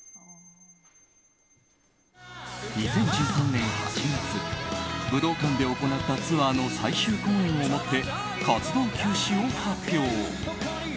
２０１３年８月武道館で行ったツアーの最終公演をもって活動休止を発表。